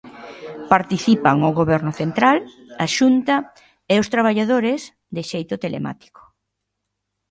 Participan o Goberno central, a Xunta e os traballadores, de xeito telemático.